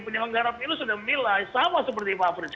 penyelenggaraan virus sudah memilai sama seperti pak averidge